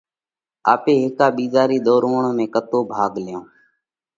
آپي هيڪا ٻِيزا رِي ۮوروَوڻ ۾ ڪتو ڀاڳ ليونه؟